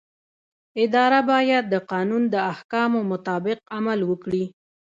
اداره باید د قانون د احکامو مطابق عمل وکړي.